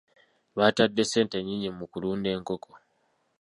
Baatadde ssente nnyingi mu kulunda enkoko.